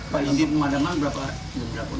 pak ini pemadaman berapa